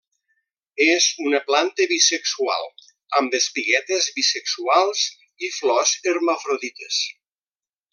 És una planta bisexual, amb espiguetes bisexuals; i flors hermafrodites.